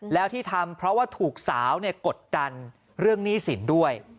แล้วที่ทำเพราะว่าถูกสาวกดดันเรื่องหนี้สินด้วย